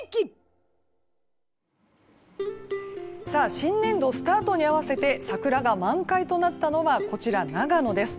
新年度スタートに合わせて桜が満開となったのはこちら、長野です。